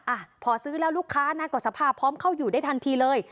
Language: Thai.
อ่ะพอซื้อแล้วลูกค้าน่ากดสภาพพร้อมเข้าอยู่ได้ทันทีเลย